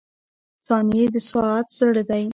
• ثانیې د ساعت زړه دی.